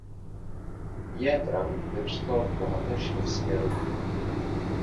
J. Franck vyrůstal v bohaté židovské rodině.